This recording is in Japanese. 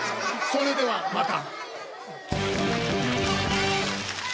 それではまた。